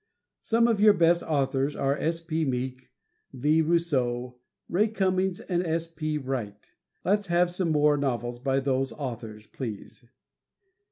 Some of your best authors are: S. P. Meek, V. Rousseau, Ray Cummings and S. P. Wright. Let's have some more novels by those authors, please.